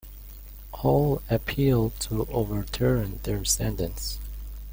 All appealed to overturn their sentence.